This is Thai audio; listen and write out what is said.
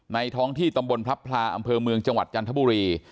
ท้องที่ตำบลพลับพลาอำเภอเมืองจังหวัดจันทบุรี